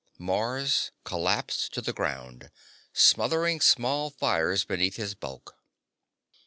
Mars collapsed to the ground, smothering small fires beneath his bulk.